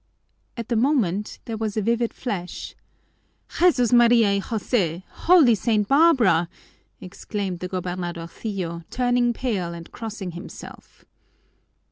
At the moment there was a vivid flash. "Jesús, María, y José! Holy St. Barbara!" exclaimed the gobernadorcillo, turning pale and crossing himself.